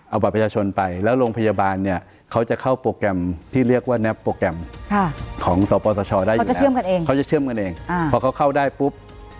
เอารูประชาชนไปแล้วโรงพยาบาลเขาจะเข้าโปรแกรมนัพได้อยู่แล้วพอเข้าได้ปุ๊บ